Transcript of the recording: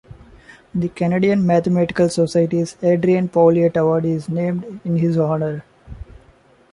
The Canadian Mathematical Society's Adrien Pouliot Award is named in his honour.